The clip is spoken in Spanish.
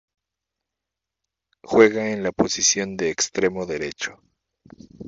Juega en la posición de extremo derecho.